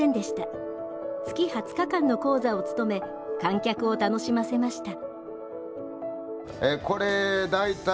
月２０日間の高座を務め観客を楽しませました。